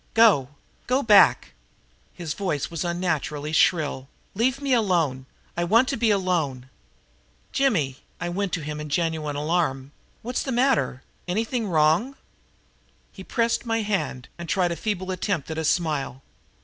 "Go! Go back!" His voice was unnaturally shrill. "Leave me alone. I want to be alone." "Jimmy!" I went to him in genuine alarm. "What's the matter? Anything wrong?" He pressed my hand and tried a feeble attempt at a smile.